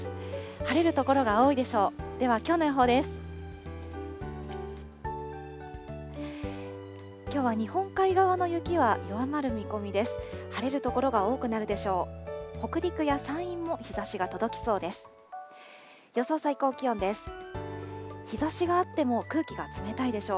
晴れる所が多くなるでしょう。